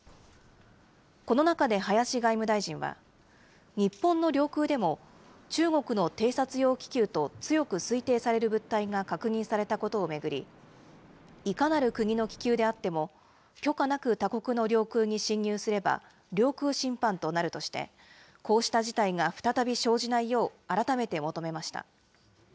この中で林外務大臣は、日本の領空でも中国の偵察用気球と強く推定される物体が確認されたことを巡り、いかなる国の気球であっても、許可なく他国の領空に侵入すれば領空侵犯となるとして、こうした事態が再び生じないよう改めて求めました。